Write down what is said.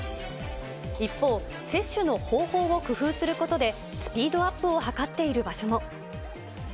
一方、接種の方法を工夫することで、スピードアップを図っている場所も。